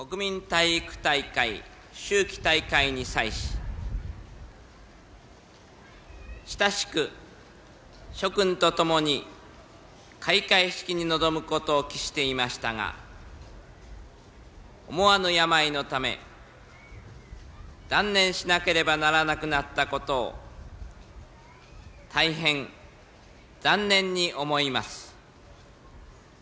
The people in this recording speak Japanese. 体育大会秋季大会に際し、親しく諸君とともに開会式に臨むことを期していましたが、思わぬ病のため、断念しなければならなくなったことを、大変残念に思います。